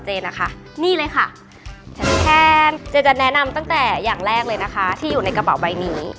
เจนจะแนะนำตั้งแต่อย่างแรกเลยนะคะที่อยู่ในกระเป๋าใบนี้